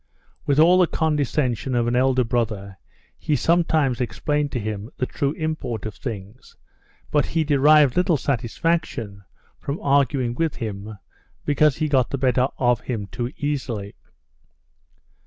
With all the condescension of an elder brother he sometimes explained to him the true import of things, but he derived little satisfaction from arguing with him because he got the better of him too easily.